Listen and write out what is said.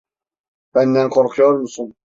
Benden korkuyor musun?